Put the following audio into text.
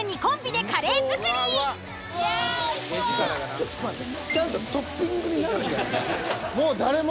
ちょっと待って。